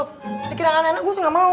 pikiran anak anak gua sih ga mau